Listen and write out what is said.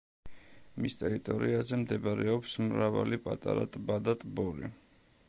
მის ტერიტორიაზე მდებარეობს მრავალი პატარა ტბა და ტბორი.